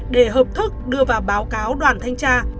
để hợp thức đưa vào báo cáo đoàn thanh tra